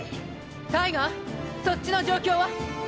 タイガーそっちの状況は？